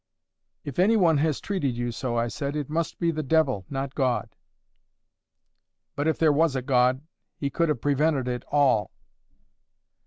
"If any one has treated you so," I said, "it must be the devil, not God." "But if there was a God, he could have prevented it all."